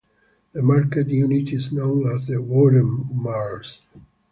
The marker unit is known as the Wootton Marls.